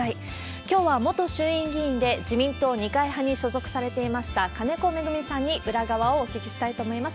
きょうは元衆院議員で自民党二階派に所属されていました、金子恵美さんに裏側をお聞きしたいと思います。